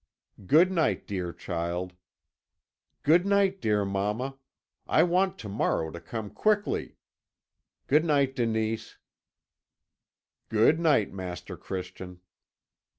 "'Good night, dear child.' "'Good night, dear mamma. I want to morrow to come quickly. Good night, Denise.' "'Good night, Master Christian.'